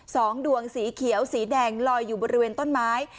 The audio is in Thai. สองดวงสีเขียวสีแดงลอยอยู่บริเวณต้นไม้